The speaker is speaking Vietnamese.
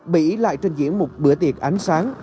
bỉ lại trình diễn một bữa tiệc ánh sáng